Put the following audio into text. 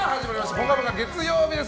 「ぽかぽか」月曜日です。